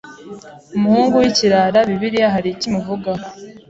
umuhungu w'ikirara bibiliya haricyo imuvugaho